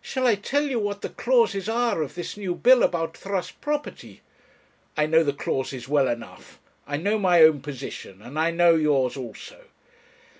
Shall I tell you what the clauses are of this new bill about trust property?' 'I know the clauses well enough; I know my own position; and I know yours also.'